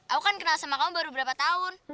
aku kan kenal sama kamu baru berapa tahun